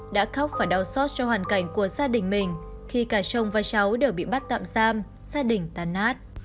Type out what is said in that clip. đã khóc và đau xót cho hoàn cảnh của gia đình mình khi cả chồng và cháu đều bị bắt tạm giam gia đình tàn nát